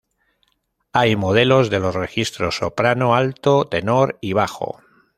Hay modelos de los registros soprano, alto, tenor y bajo.